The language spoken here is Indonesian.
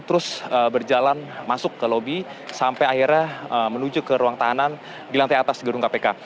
terus berjalan masuk ke lobi sampai akhirnya menuju ke ruang tahanan di lantai atas gedung kpk